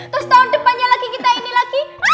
terus tahun depannya lagi kita ini lagi